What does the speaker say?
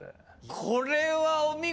これはお見事。